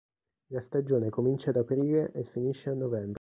La stagione comincia ad aprile e finisce a novembre.